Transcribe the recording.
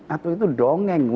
atau itu dongeng